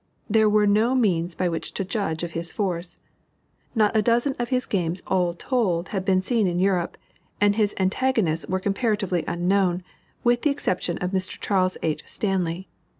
There were no means by which to judge of his force. Not a dozen of his games all told had been seen in Europe, and his antagonists were comparatively unknown, with the exception of Mr. Charles H. Stanley.